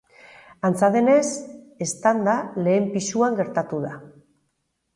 Antza denez, eztanda lehen pisuan gertatu da.